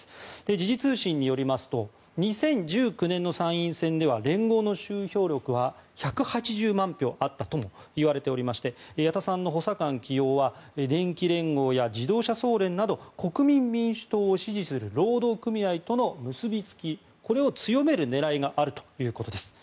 時事通信によりますと２０１９年の参院選では連合の集票力は１８０万票あったともいわれておりまして矢田さんの補佐官起用は電機連合や自動車総連など国民民主党を支持する労働組合との結びつきを強める狙いがあるということです。